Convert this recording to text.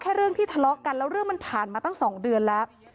เรื่องที่ทะเลาะกันแล้วเรื่องมันผ่านมาตั้ง๒เดือนแล้ว